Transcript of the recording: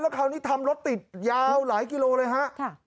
คราวนี้ทำรถติดยาวหลายกิโลเลยฮะ